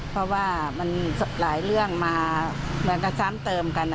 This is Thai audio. เพราะว่ามันหลายเรื่องมาแบบจะซ้ำเติมกัน